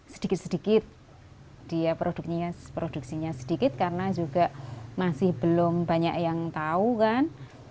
sedikit sedikit dia produksinya sedikit karena juga masih belum banyak yang tahu kan